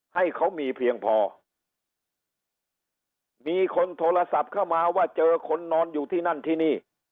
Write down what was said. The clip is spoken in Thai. ให้เขามีเพียงพอมีคนโทรศัพท์เข้ามาว่าเจอคนนอนอยู่ที่นั่นที่นี่